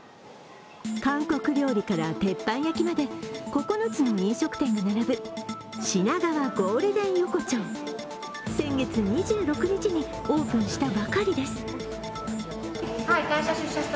韓国料理から鉄板焼きまで、９つの料理店が並ぶ品川ゴールデン横丁、先月２６日にオープンしたばかりです。